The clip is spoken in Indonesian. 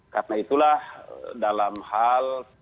karena itulah dalam hal